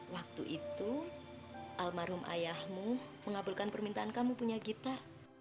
waktu itu almarhum ayahmu mengabulkan permintaan kamu punya gitar